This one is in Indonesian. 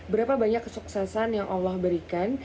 berapa banyak kesuksesan yang allah berikan